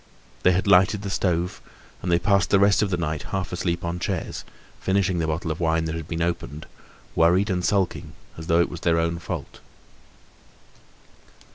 They had lighted the stove, and they passed the rest of the night half asleep on chairs, finishing the bottle of wine that had been opened, worried and sulking, as though it was their own fault.